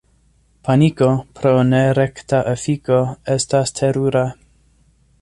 Paniko, pro nerekta efiko, estas terura.